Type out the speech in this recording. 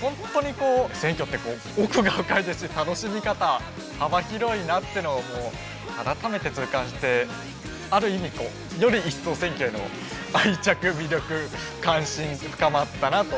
本当にこう選挙って奥が深いですし楽しみ方幅広いなっていうのを改めて痛感してある意味より一層選挙への愛着魅力関心深まったなと。